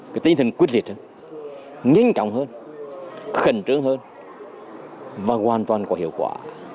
cái tinh thần quyết liệt hơn nhanh chóng hơn khẩn trương hơn và hoàn toàn có hiệu quả